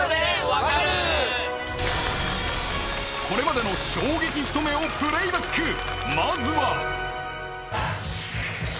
これまでの衝撃ひと目をプレイバック！